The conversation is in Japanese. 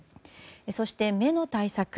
そして、目の対策。